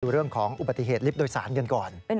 เรื่องของอุบัติเหตุลิฟต์โดยสารกันก่อน